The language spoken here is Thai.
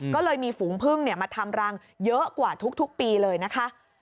ก็เลยมีฝูงพึ่งมาทำรังเยอะกว่าทุกปีเลยนะคะ